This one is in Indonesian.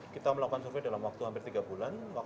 kita melakukan survei dalam waktu hampir tiga bulan